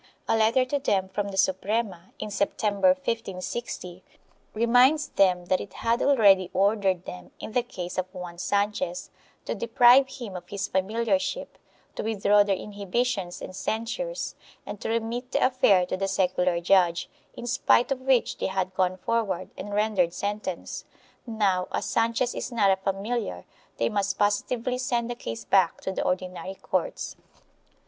A letter to them from the Suprema, in September, 1560, reminds them that it had already ordered them, in the case of Juan Sanchez, to deprive him of his familiarship, to withdraw their inhibitions and cen sures, and to remit the affair to the secular judge, in spite of which they had gone forward and rendered sentence; now, as Sanchez is not a familiar, they must positively send the case back to the ordinary courts.